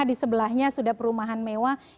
di sebelahnya sudah perumahan mewah